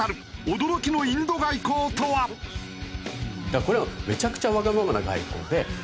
だからこれはめちゃくちゃわがままな外交で。